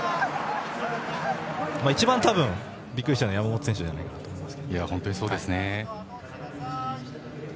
一番、多分びっくりしたのは山本選手じゃないかなと思います。